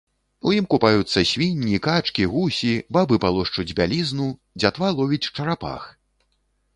У ім купаюцца свінні, качкі, гусі, бабы палошчуць бялізну, дзятва ловіць чарапах!